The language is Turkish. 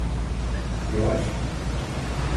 Yavaş git.